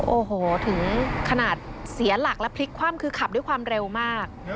โอ้โหถึงขนาดเสียหลักและพลิกคว่ำคือขับด้วยความเร็วมาก